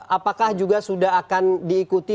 apakah juga sudah akan diikuti